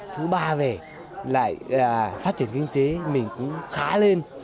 thứ ba về lại phát triển kinh tế mình cũng khá lên